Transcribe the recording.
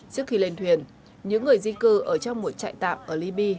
trước khi lên thuyền những người di cư ở trong một trại tạm ở liby